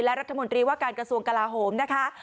และรัฐมนตรีว่าการกระทรวงกลาโหมนะคะ